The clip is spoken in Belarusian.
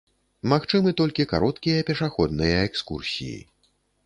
Магчымы толькі кароткія пешаходныя экскурсіі.